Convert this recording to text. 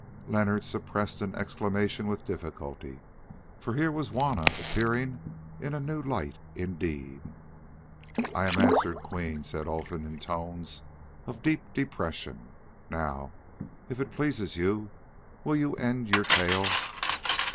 Leonard suppressed an exclamation with difficulty, for here was Juanna appearing in a new light indeed. "I am answered, Queen," said Olfan in tones of deep depression. "Now, if it pleases you, will you end your tale?"